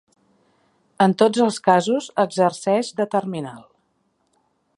En tots els casos exerceix de terminal.